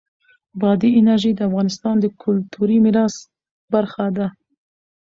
بادي انرژي د افغانستان د کلتوري میراث برخه ده.